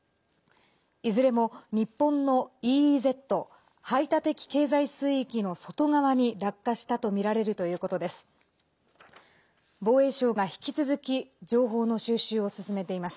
いずれも日本のＥＥＺ＝排他的経済水域の外側に落下したとみられるということです。